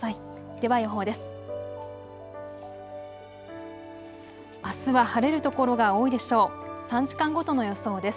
では予報です。